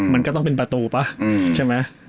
มันก็ต้องเป็นประตูป่ะใช่ไหม